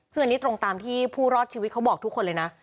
ซึ่งอันนี้ตรงตามที่ผู้รอดชีวิตเขาบอกทุกคนเลยนะ